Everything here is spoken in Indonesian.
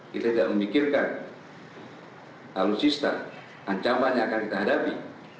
kita tidak memikirkan alutsista ancaman yang akan kita hadapi